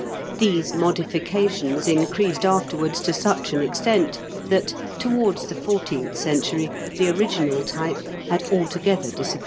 These modifications increased afterwards to such an extent that, towards the fourteenth century, the original type had altogether disappeared.